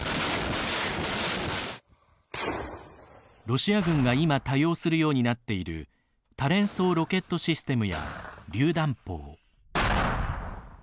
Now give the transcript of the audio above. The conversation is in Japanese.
ロシア軍が今多用するようになっている多連装ロケットシステムや榴弾砲。